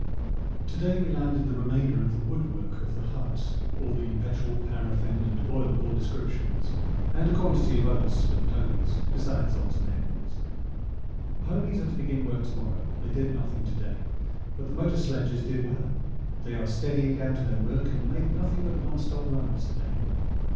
To day we landed the remainder of the woodwork of the hut, all the petrol, paraffin and oil of all descriptions, and a quantity of oats for the ponies besides odds and ends. The ponies are to begin work to morrow; they did nothing to day, but the motor sledges did well they are steadying down to their work and made nothing but non stop runs to day.